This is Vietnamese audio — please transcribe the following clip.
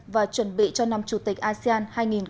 và chuẩn bị cho năm chủ tịch asean hai nghìn hai mươi